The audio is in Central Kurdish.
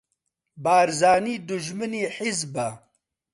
بارزانی دوژمنی حیزبە